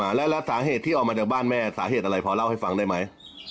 แล้วแล้วสาเหตุที่ออกมาจากบ้านแม่สาเหตุอะไรพอเล่าให้ฟังได้ไหม